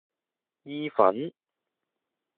意粉